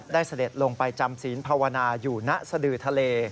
เสด็จลงไปจำศีลภาวนาอยู่ณสดือทะเล